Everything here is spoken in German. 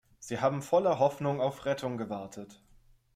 Sie haben voller Hoffnung auf Rettung gewartet.